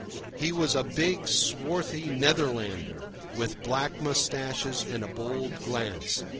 He was a big, swarthy Netherlander, with black moustaches and a bold glance.